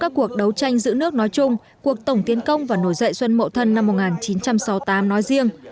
các cuộc đấu tranh giữ nước nói chung cuộc tổng tiến công và nổi dậy xuân mậu thân năm một nghìn chín trăm sáu mươi tám nói riêng